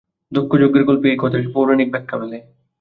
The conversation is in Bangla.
দক্ষযজ্ঞের গল্পে এই কথাটির পৌরাণিক ব্যাখ্যা মেলে।